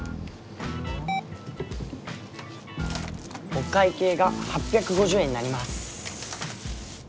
お会計が８５０円になります。